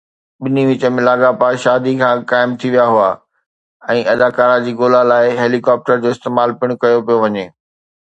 ٻنهي وچ ۾ لاڳاپا شادي کان اڳ قائم ٿي ويا هئا ۽ اداڪارا جي ڳولا لاءِ هيلي ڪاپٽر جو استعمال پڻ ڪيو پيو وڃي